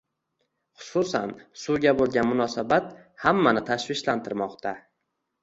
Xususan, suvga bo‘lgan munosabat hammani tashvishlantirmoqda